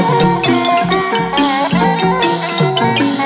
กลับมารับทราบ